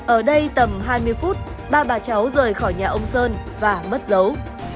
ở đây tầm hai mươi phút ba bà cháu rời khỏi nhà ông sơn và mất dấu